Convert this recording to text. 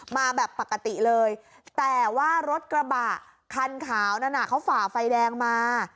มาแบบปกติเลยแต่ว่ารถกระบะคันขาวนั้นเขาฝ่าไฟแดงมา